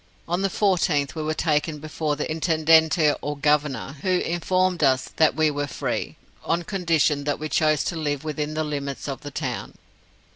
On the 14th we were taken before the Intendente or Governor, who informed us that we were free, on condition that we chose to live within the limits of the town.